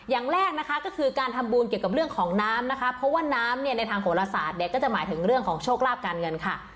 อย่างแรกนะคะก็คือการทำบุญเกี่ยวกับเรื่องของน้ำนะคะเพราะว่าน้ำเนี่ยในทางโหลศาสตร์เนี่ยก็จะหมายถึงเรื่องของโชคลาภการเงินค่ะ